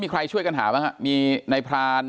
มีใครช่วยกันหาไหมมีในพราน